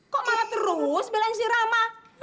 kok ngana terus belain si rama